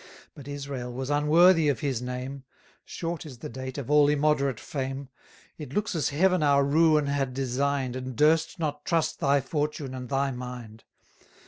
But Israel was unworthy of his name; Short is the date of all immoderate fame. It looks as Heaven our ruin had design'd, And durst not trust thy fortune and thy mind.